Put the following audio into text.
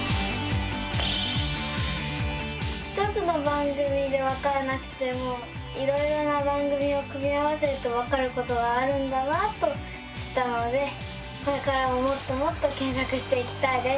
１つの番組でわからなくてもいろいろな番組を組み合わせるとわかることがあるんだなと知ったのでこれからももっともっと検索していきたいです。